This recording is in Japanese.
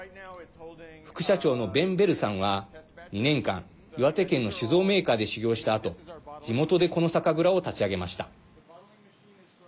副社長のベン・ベルさんは２年間、岩手県の酒造メーカーで修業したあと地元でこの酒蔵を立ち上げました。